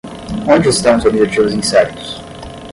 Onde estão os objetivos incertos?